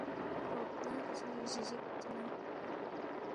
رعب دار چی جِگجِگ چی ننگ